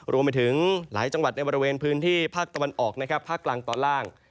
รวมไปถึงหลายจังหวัดในบริเวณพื้นที่ภาคตะวันออกนะครับภาคกลางตอนล่าง